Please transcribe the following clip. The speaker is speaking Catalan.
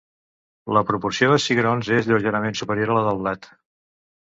La proporció de cigrons és lleugerament superior a la del blat.